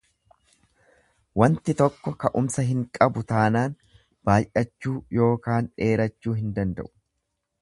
Wanti tokko ka'umsa hin qabu taanaan baay'achuu yookaan dheerachuu hin danda'u.